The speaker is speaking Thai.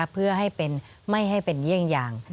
เพื่อให้เป็นไม่ให้เป็นเยี่ยงอย่าง